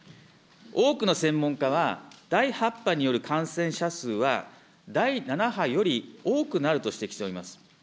多くの専門家は、第８波による感染者数は、第７波より多くなると指摘しております。